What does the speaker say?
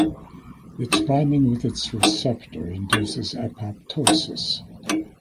Its binding with its receptor induces apoptosis.